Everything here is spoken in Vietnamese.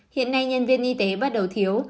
hiện nay nhân viên y tế bắt đầu thiếu